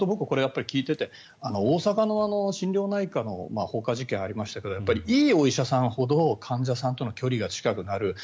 これは僕、聞いていて大阪の心療内科の放火事件がありましたがいいお医者さんほど患者さんとの距離が近くなる。